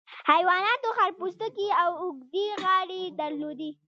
حیواناتو خړ پوستکي او اوږدې غاړې درلودې.